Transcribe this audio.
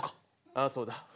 ああそうだ。